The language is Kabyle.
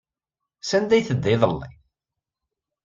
Sanda ay tedda iḍelli?